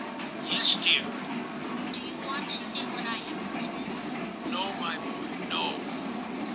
*' Yes, dear.* ' Do you want to see what I have written "i '* No, my boy, no.'